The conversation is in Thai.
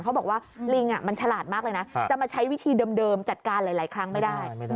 เขาบอกว่าลิงมันฉลาดมากเลยนะจะมาใช้วิธีเดิมจัดการหลายครั้งไม่ได้